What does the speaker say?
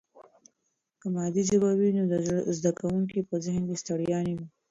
که مادي ژبه وي نو د زده کوونکي په ذهن کې ستړیا نه وي.